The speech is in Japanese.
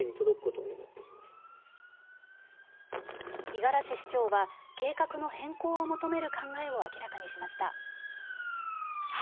五十嵐市長は計画の変更を求める考えを明らかにしました。